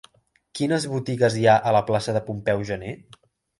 Quines botigues hi ha a la plaça de Pompeu Gener?